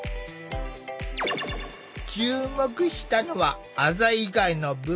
注目したのはあざ以外の部分。